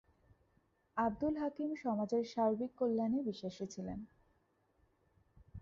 আবদুল হাকিম সমাজের সার্বিক কল্যাণে বিশ্বাসী ছিলেন।